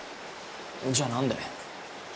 じゃあ何で。